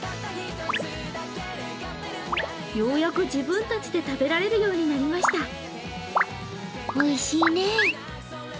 ようやく自分たちで食べられるようになりました。